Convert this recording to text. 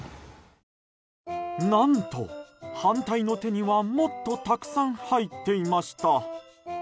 何と、反対の手にはもっとたくさん入っていました。